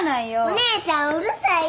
お姉ちゃんうるさい。